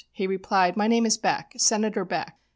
He replied, 'My name is Beck Senator Beck.'